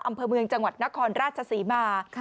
อำเภอเมืองจังหวัดนครราชศรีมา